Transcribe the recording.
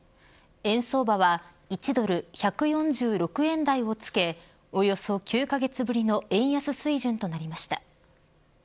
円相場は１ドル１４６円台をつけおよそ９カ月ぶりの円安水準となりました。